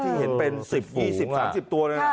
ที่เห็นเป็นสิบยี่สิบสามสิบตัว